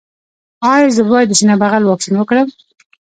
ایا زه باید د سینه بغل واکسین وکړم؟